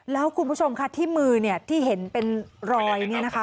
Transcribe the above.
แล้วคุณผู้ชมค่ะที่มือเนี่ยที่เห็นเป็นรอยเนี่ยนะคะ